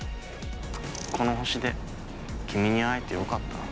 この星で君に会えてよかった。